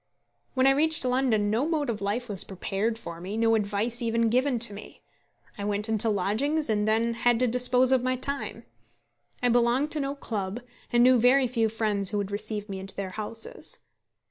When I reached London no mode of life was prepared for me, no advice even given to me. I went into lodgings, and then had to dispose of my time. I belonged to no club, and knew very few friends who would receive me into their houses.